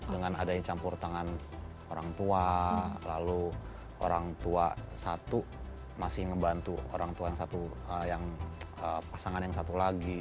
dengan adanya campur tangan orang tua lalu orang tua satu masih ngebantu orang tua yang satu pasangan yang satu lagi